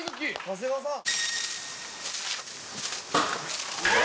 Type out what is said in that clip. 長谷川さん。